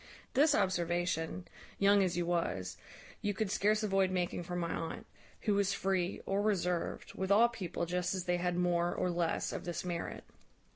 This observation, young as you was, you could scarce avoid making from my aunt, who was free, or reserved, with all people, just as they had more or less of this merit.